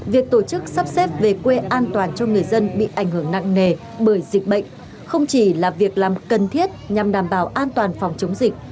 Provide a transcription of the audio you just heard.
việc tổ chức sắp xếp về quê an toàn cho người dân bị ảnh hưởng nặng nề bởi dịch bệnh không chỉ là việc làm cần thiết nhằm đảm bảo an toàn phòng chống dịch